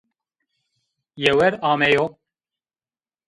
Yewer ameyo